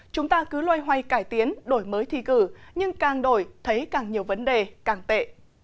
chúng ta cứ loay hoay cải tiến đổi mới thi cử nhưng càng đổi thấy càng nhiều vấn đề càng tệ